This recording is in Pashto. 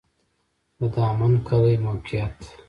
د دامن کلی موقعیت